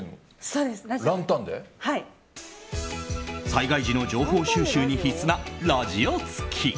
災害時の情報収集に必須なラジオ付き。